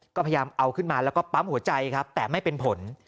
ก็พยายามเอาขึ้นมาแล้วก็ปั๊มหัวใจครับแต่ไม่เป็นผล